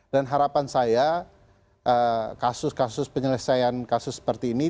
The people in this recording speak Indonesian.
dan harapan saya kasus kasus penyelesaian kasus seperti ini